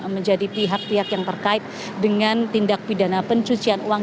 menjadi pihak pihak yang terkait dengan tindak pidana pencucian uang